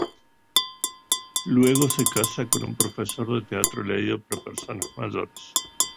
Luego se casa con un profesor de teatro leído para personas mayores.